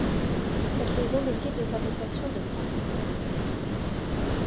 Cette liaison décide de sa vocation de peintre.